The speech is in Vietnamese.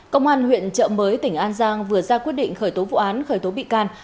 công an huyện trợ mới tỉnh an giang vừa ra quyết định khởi tố vụ án khởi tố bị can